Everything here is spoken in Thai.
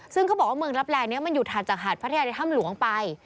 ซึ่งเขาบอกว่าเมืองรับแลนี้มันอยู่ถัดจากหาดพัทยาในถ้ำหลวงไป